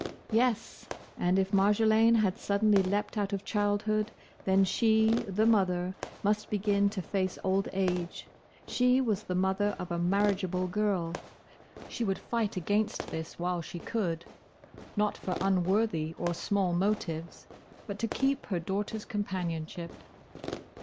Yes! and if Marjolaine had suddenly leapt out of childhood, then she, the mother, must begin to face old age: she was the mother of a marriageable girl. She would fight against this while she could; not for unworthy or small motives, but to keep her daughter's companionship.